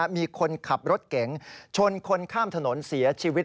มีคนขับรถเก๋งชนคนข้ามถนนเสียชีวิต